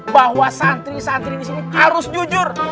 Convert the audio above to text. bahwa santri santri disini harus jujur